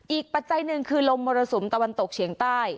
ปัจจัยหนึ่งคือลมมรสุมตะวันตกเฉียงใต้